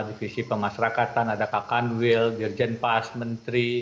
ada kepala divisi pemasyarakatan ada kak kanwil dirjen pas menteri